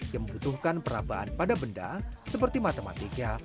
yang membutuhkan perabaan pada benda seperti matematika